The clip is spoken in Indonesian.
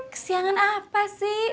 kesiangan apa sih